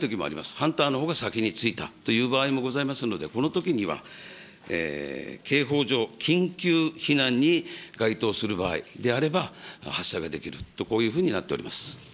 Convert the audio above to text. ハンターのほうが先に着いたという場合もございますので、このときには刑法上、緊急避難に該当する場合であれば、発射ができると、こういうふうになっております。